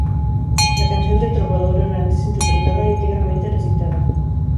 La "Canción del trovador errante" es interpretada íntegramente recitada.